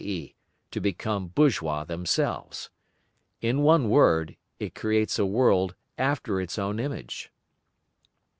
e_., to become bourgeois themselves. In one word, it creates a world after its own image.